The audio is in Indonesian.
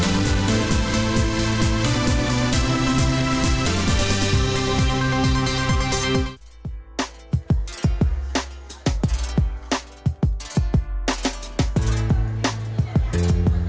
dan juga di installing